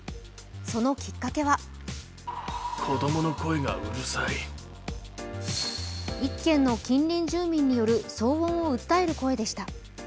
そのきっかけは１軒の近隣住民による騒音を訴える声でした。